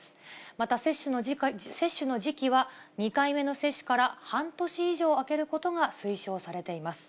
また、接種の時期は２回目の接種から半年以上空けることが推奨されています。